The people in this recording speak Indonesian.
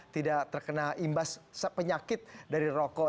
tidak terkena imbas penyakit dari rokok